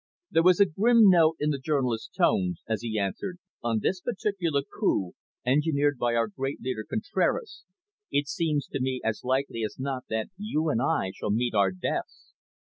There was a grim note in the journalist's tones, as he answered: "On this particular coup, engineered by our great leader, Contraras, it seems to me as likely as not that you and I shall meet our deaths.